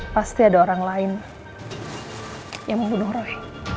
pasti ada orang lain yang membunuh roh